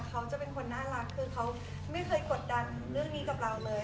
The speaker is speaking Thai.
เขาจะเป็นคนน่ารักคือเขาไม่เคยกดดันเรื่องนี้กับเราเลย